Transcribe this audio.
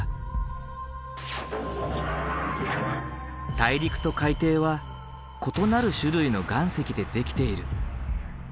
大陸と海底は異なる種類の岩石でできている。